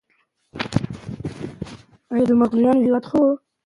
ايا مارکوپولو چين ته تللی و؟